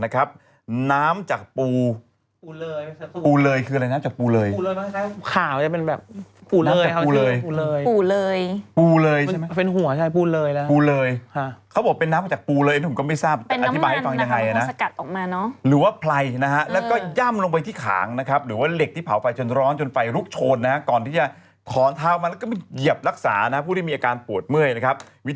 เค้าไม่คุดใช่ไหมเอาแหละแป้งใส่สะขาวเลยเนี่ยคุดไม่ได้